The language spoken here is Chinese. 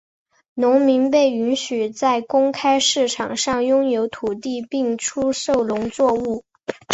农民被允许在公开市场上拥有土地并出售农作物。